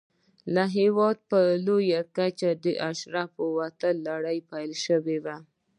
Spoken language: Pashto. له هېواده په لویه کچه د اشرافو وتلو لړۍ پیل شوې وه.